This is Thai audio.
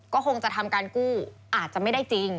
ก็คงจะทำการกู้อาจจะไม่ได้จริง